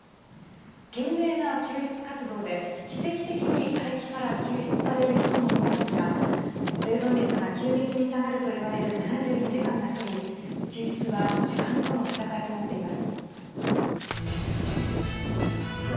懸命な救出活動で奇跡的に、がれきから救出される人もいますが生存率が急激に下がるといわれる７２時間が過ぎ救出は時間との戦いとなっています。